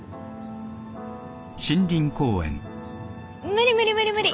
無理無理無理無理。